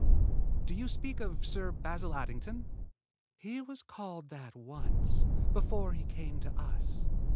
"Do you speak of Sir Basil Addington?" "He was called that once, before he came to us.